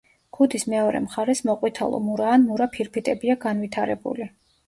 ქუდის მეორე მხარეს მოყვითალო-მურა ან მურა ფირფიტებია განვითარებული.